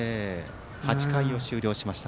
８回を終了しました。